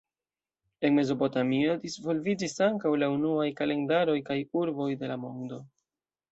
En Mezopotamio disvolviĝis ankaŭ la unuaj kalendaroj kaj urboj de la mondo.